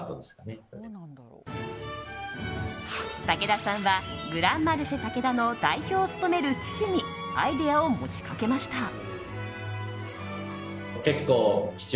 竹田さんはグランマルシェタケダの代表を務める父にアイデアを持ちかけました。